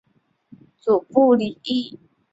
祖父李毅。